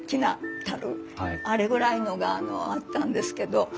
あれぐらいのがあったんですけど。